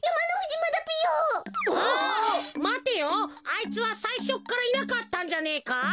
あいつはさいしょからいなかったんじゃねえか？